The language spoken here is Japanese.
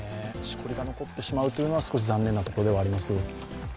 しこりが残ってしまうというのは少し残念なところではあります。